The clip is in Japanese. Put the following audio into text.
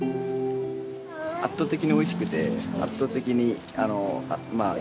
圧倒的においしくて圧倒的に安いんで。